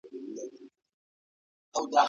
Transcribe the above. شفتالو او زردالو هضم ته مرسته کوي.